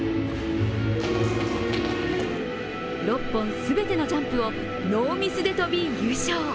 ６本全てのジャンプをノーミスで跳び、優勝。